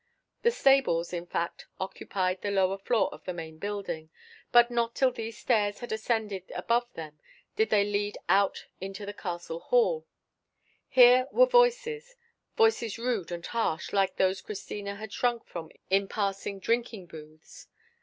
The stables, in fact, occupied the lower floor of the main building, and not till these stairs had ascended above them did they lead out into the castle hall. Here were voices—voices rude and harsh, like those Christina had shrunk from in passing drinking booths.